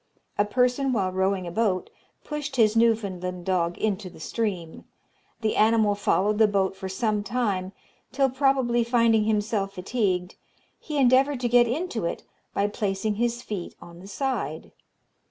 A person while rowing a boat, pushed his Newfoundland dog into the stream. The animal followed the boat for some time, till, probably finding himself fatigued, he endeavoured to get into it by placing his feet on the side.